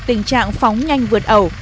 tình trạng phóng nhanh vượt ẩu